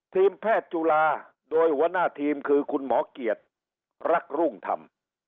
ทีมแพทย์จุฬาโดยหัวหน้าทีมคือคุณหมอเกียรติรักรุ่งธรรม